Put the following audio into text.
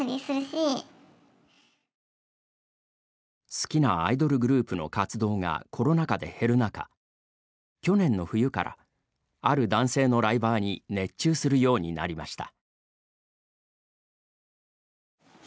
好きなアイドルグループの活動がコロナ禍で減る中去年の冬からある男性のライバーに熱中するようになりました。